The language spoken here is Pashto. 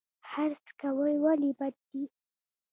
حرص کول ولې بد دي؟